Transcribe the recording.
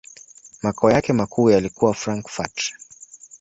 Makao yake makuu yalikuwa Frankfurt.